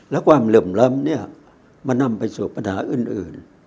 และความเหลื่อมล้ำเนี่ยมันนำไปสู่ปัญหาอื่น